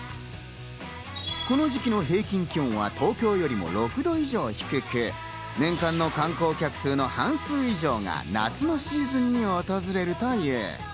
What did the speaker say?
この時期の平均気温は東京よりも６度以上低く、年間の観光客数の半数以上が夏のシーズンに訪れるという。